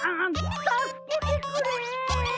たすけてくれ。